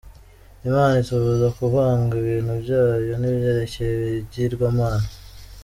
Imana itubuza kuvanga ibintu byayo n’ibyerekeye Ibigirwamana.